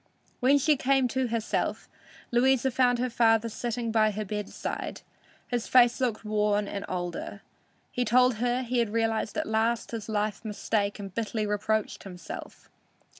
When she came to herself, Louisa found her father sitting by her bedside. His face looked worn and older. He told her he realized at last his life mistake and bitterly reproached himself.